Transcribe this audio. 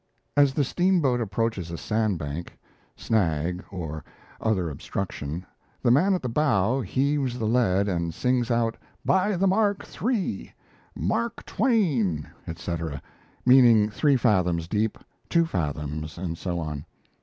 As the steamboat approaches a sandbank, snag, or other obstruction, the man at the bow heaves the lead and sings out, "By the mark, three," "Mark twain," etc. meaning three fathoms deep, two fathoms, and so on.